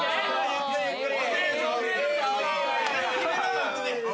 ・ゆっくりゆっくり。